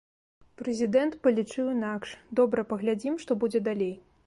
Прэзідэнт палічыў інакш, добра, паглядзім, што будзе далей.